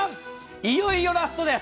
いよいよラストです。